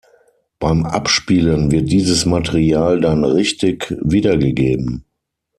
Beim Abspielen wird dieses Material dann richtig wiedergegeben.